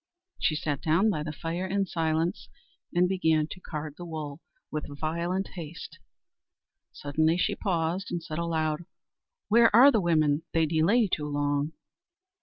She sat down by the fire in silence, and began to card the wool with violent haste. Suddenly she paused, and said aloud: "Where are the women? they delay too long."